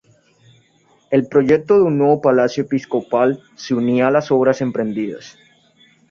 El proyecto de un nuevo Palacio Episcopal se unía a las obras emprendidas.